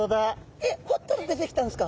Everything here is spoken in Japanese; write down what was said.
えっ掘ったら出てきたんですか？